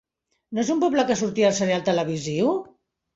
No és un poble que sortia al serial televisiu?